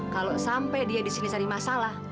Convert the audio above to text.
kalau sampai dia disini cari masalah